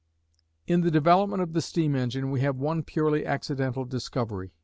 In the development of the steam engine, we have one purely accidental discovery.